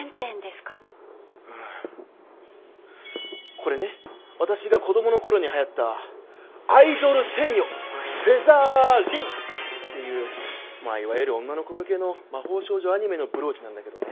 これね私が子どもの頃に流行った「アイドル天女フェザー・リン」っていういわゆる女の子向けの魔法少女アニメのブローチなんだけどね。